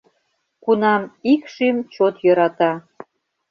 Кунам ик шÿм чот йöрата